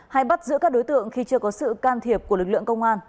hay bắt giữ các đối tượng khi chưa có sự can thiệp của lực lượng công an